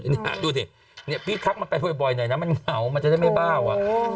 นี่ดูดิพี่ทักมันไปบ่อยหน่อยนะมันเหงามันจะได้ไม่บ้าว